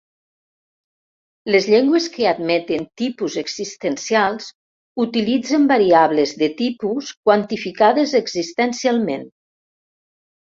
Les llengües que admeten tipus existencials utilitzen variables de tipus quantificades existencialment.